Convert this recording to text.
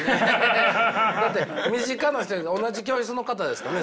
身近な人同じ教室の方ですかね？